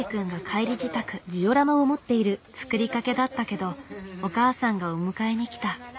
作りかけだったけどお母さんがお迎えに来た。